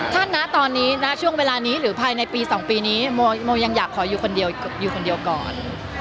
ช่างน้าตอนนี้ช่างน้าช่วงเวลานี้หรือภายในปี๒ปีนี้โมยังอยากขออยู่คนเดียวก่อน